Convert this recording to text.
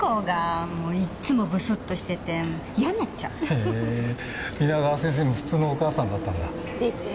へえー皆川先生も普通のお母さんだったんだ。ですね！